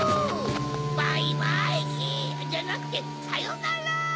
バイバイキじゃなくてさよなら！